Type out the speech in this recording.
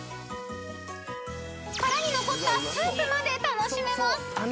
［殻に残ったスープまで楽しめます］